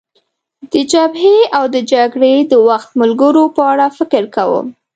د جبهې او د جګړې د وخت ملګرو په اړه فکر کوم.